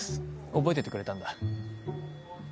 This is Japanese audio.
覚えててくれたんだ。